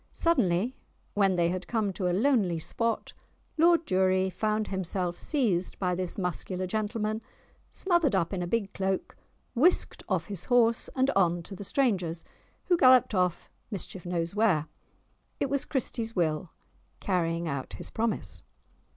Suddenly, when they had come to a lonely spot, Lord Durie found himself seized by this muscular gentleman, smothered up in a big cloak, whisked off his horse and on to the stranger's, who galloped off, mischief knows where! It was Christie's Will, carrying out his promise.